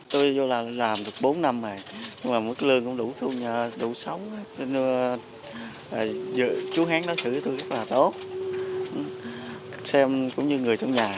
tôi vô là làm được bốn năm rồi nhưng mà mức lương cũng đủ sống chú hén nói sự với tôi rất là tốt xem cũng như người trong nhà